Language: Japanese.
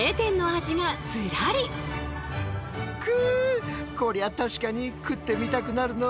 こりゃ確かに食ってみたくなるのう。